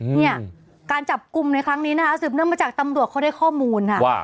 เนี่ยการจับกลุ่มในครั้งนี้นะคะสืบเนื่องมาจากตำรวจเขาได้ข้อมูลค่ะว่า